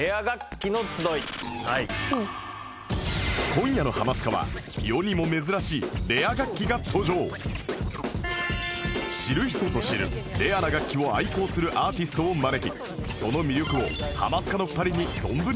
今夜の『ハマスカ』は知る人ぞ知るレアな楽器を愛好するアーティストを招きその魅力をハマスカの２人に存分に語って頂きます